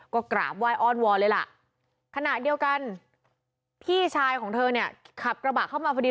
ก็กราบไหว้อ้อนวอนเลยล่ะขณะเดียวกันพี่ชายของเธอเนี่ยขับกระบะเข้ามาพอดี